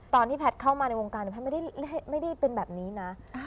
ตอนที่แพทย์เข้ามาในวงการแพทย์ไม่ได้เป็นแบบนี้นะ